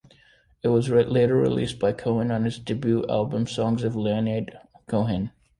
It was later released by Cohen on his debut album "Songs of Leonard Cohen".